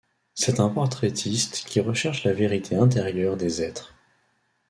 C'est un portraitiste qui recherche la vérité intérieure des êtres.